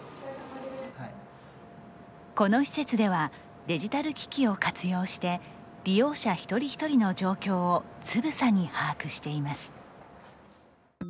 この施設ではデジタル機器を活用して利用者一人一人の状況をつぶさに把握しています。